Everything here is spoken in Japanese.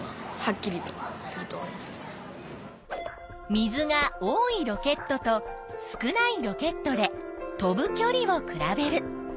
水が多いロケットと少ないロケットで飛ぶきょりを比べる。